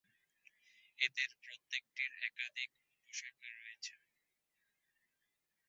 এদের প্রত্যেকটির একাধিক উপশাখা রয়েছে।